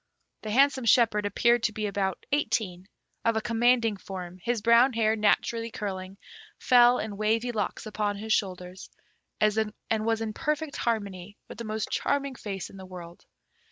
The handsome shepherd appeared to be about eighteen, of a commanding form; his brown hair, naturally curling, fell in wavy locks upon his shoulders, and was in perfect harmony with the most charming face in the world.